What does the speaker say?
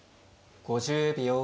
５０秒。